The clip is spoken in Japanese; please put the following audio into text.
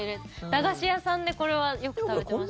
駄菓子屋さんでこれはよく食べてましたね。